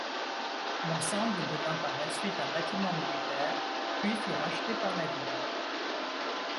L'ensemble devint par la suite un bâtiment militaire puis fut racheté par la ville.